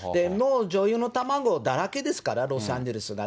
女優の卵だらけですから、ロサンゼルスは。